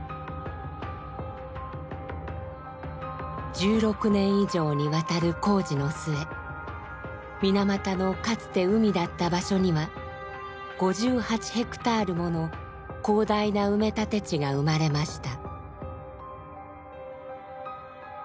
１６年以上にわたる工事の末水俣のかつて海だった場所には５８ヘクタールもの広大な埋め立て地が生まれました。